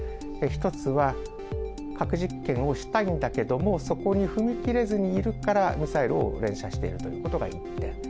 １つは、核実験をしたいんだけども、そこに踏み切れずにいるから、ミサイルを連射しているということが１点。